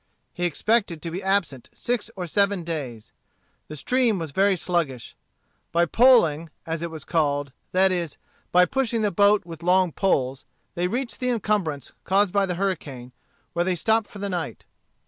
He expected to be absent six or seven days. The stream was very sluggish. By poling, as it was called, that is, by pushing the boat with long poles, they reached the encumbrance caused by the hurricane, where they stopped for the night.